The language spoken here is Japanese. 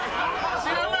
知らない。